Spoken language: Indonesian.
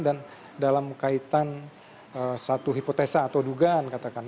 dan dalam kaitan satu hipotesa atau dugaan katakan